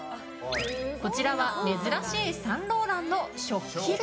こちらは珍しいサンローランの食器類。